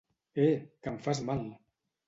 Eh, que em fas mal!